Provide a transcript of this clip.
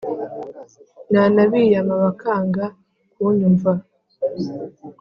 nanabiyama bakanga kunyumva